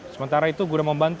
sementara itu guna membantu